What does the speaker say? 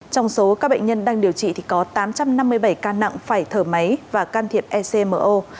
trong số các bệnh nhân đang điều trị thì có tám trăm năm mươi bảy ca nặng phải thở máy và can thiệp ecmo